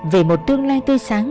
về một tương lai tươi sáng